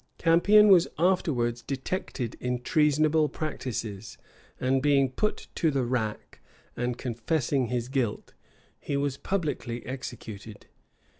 Campion was afterwards detected in treasonable practices; and being put to the rack, and confessing his guilt, he was publicly executed.